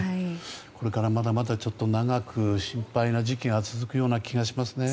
これからまだまだ長く心配な時期が続く気がしますね。